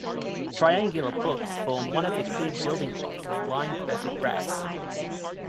Triangular books form one of the key building blocks of line perfect graphs.